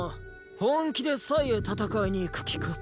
本気でへ戦いに行く気か？